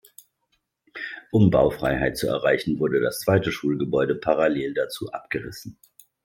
Um Baufreiheit zu erreichen, wurde das zweite Schulgebäude parallel dazu abgerissen.